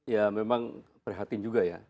ya memang prihatin juga ya